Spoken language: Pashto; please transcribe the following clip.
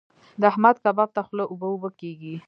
د احمد کباب ته خوله اوبه اوبه کېږي.